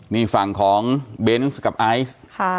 นี่ฝั่งของเบนส์กับไอซ์